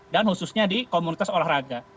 dan khususnya di komunitas olahraga